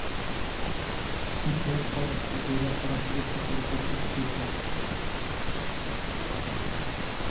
যুদ্ধের পর বিজয়ীরা ফরাসিদের সকল উপার্জন কেড়ে নেয়।